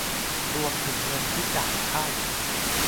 รวมถึงเงินที่จ่ายเข้า